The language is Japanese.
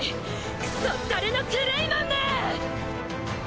クソったれのクレイマンめ！